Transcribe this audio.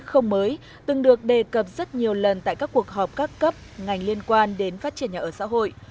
không mới từng được đề cập rất nhiều lần tại các cuộc họp các cấp ngành liên quan đến phát triển nhà ở xã hội